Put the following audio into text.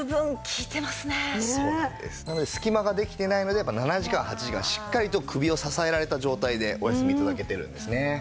隙間ができていないので７時間８時間しっかりと首を支えられた状態でお休み頂けてるんですね。